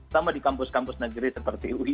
sama di kampus kampus negeri seperti ui